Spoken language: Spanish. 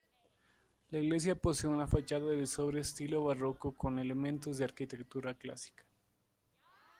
La iglesia posee una fachada de sobrio estilo barroco con elementos de arquitectura clásica.